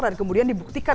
dan kemudian dibuktikan